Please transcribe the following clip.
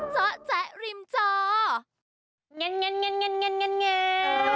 เจ้าแจ๊ะริมเจ้า